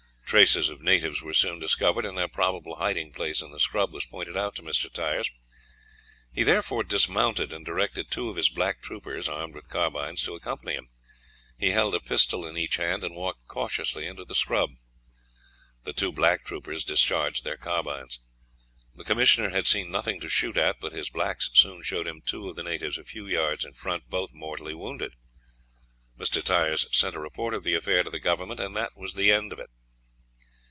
Traces of natives were soon discovered, and their probable hiding place in the scrub was pointed out to Mr. Tyers. He therefore dismounted, and directing two of his black troopers armed with carbines to accompany him, he held a pistol in each hand and walked cautiously into the scrub. The two black troopers discharged their carbines. The commissioner had seen nothing to shoot at, but his blacks soon showed him two of the natives a few yards in front, both mortally wounded. Mr. Tyers sent a report of the affair to the Government, and that was the end of it.